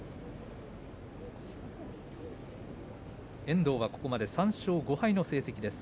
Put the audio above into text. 遠藤はここまで３勝５敗の成績です。